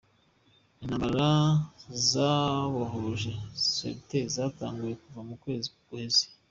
Intambara zabohoje Sirte zatanguye kuva mu kwezi guheze.